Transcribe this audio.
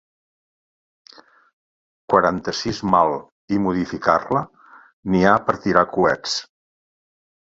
Quaranta-sis mal i modificar-la n'hi ha per tirar coets.